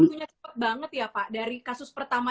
tapi waktu nya cepet banget ya pak dari kasus pertama